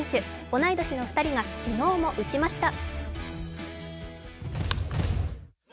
同い年の２人が昨日も打ちました。